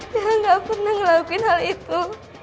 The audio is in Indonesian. bella gak pernah ngelakuin hal itu